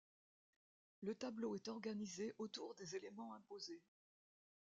Le tableau est organisé autour des éléments imposés.